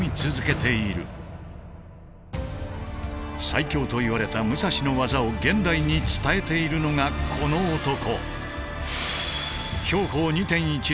最強といわれた武蔵の技を現代に伝えているのがこの男。